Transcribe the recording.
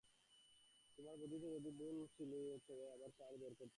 তোমার বুদ্ধিতে যদি তুলি, তা হলে আবার কালই বের করতে হবে।